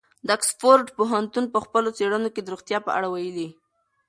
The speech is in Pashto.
د اکسفورډ پوهنتون په خپلو څېړنو کې د روغتیا په اړه ویلي.